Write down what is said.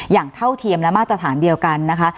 เท่าเทียมและมาตรฐานเดียวกันนะคะ